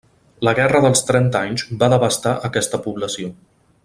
La Guerra dels Trenta Anys va devastar aquesta població.